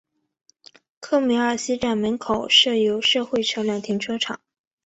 科梅尔西站门口设有社会车辆停车场。